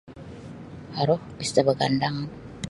Aruh pista bagandang.